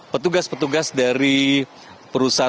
petugas petugas dari perusahaan